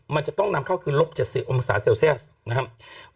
มันจะต้องนำเข้าคือลบ๗๐องศาเซลเซียสนะครับ